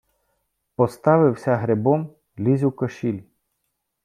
Поставився грибом, лізь у кошіль.